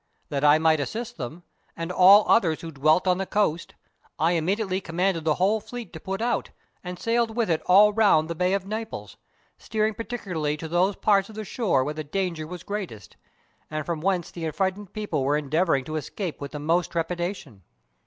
That I might assist them, and all others who dwelt on the coast, I immediately commanded the whole fleet to put out, and sailed with it all round the Bay of Naples, steering particularly to those parts of the shore where the danger was greatest, and from whence the affrighted people were endeavouring to escape with the most trepidation.